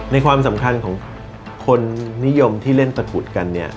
ในความสำคัญของคนนิยมที่เล่นตะกรุษกัน